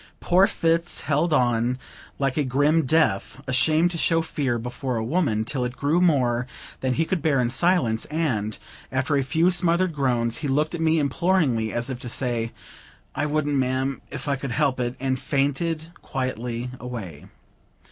Poor Fitz held on like a grim Death, ashamed to show fear before a woman, till it grew more than he could bear in silence; and, after a few smothered groans, he looked at me imploringly, as if he said, "I wouldn't, ma'am, if I could help it," and fainted quietly away.